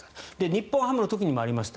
日本ハムの時にもありました。